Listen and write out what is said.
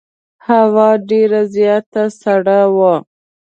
هوا ډېره زیاته سړه وه.